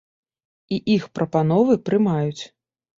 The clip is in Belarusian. І іх прапановы прымаць.